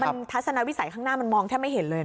มันทัศนวิสัยข้างหน้ามันมองแทบไม่เห็นเลยนะ